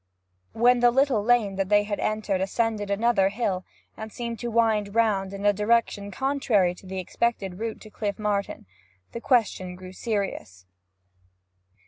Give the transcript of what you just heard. When the little lane which they had entered ascended another hill, and seemed to wind round in a direction contrary to the expected route to Cliff Martin, the question grew serious.